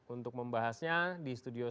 untuk membahasnya di studio